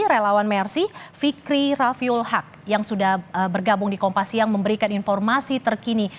relawan mersi fikri rafiul haq yang sudah bergabung di kompas yang memberikan informasi terkini